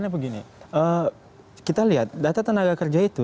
begini kita lihat data tenaga kerja itu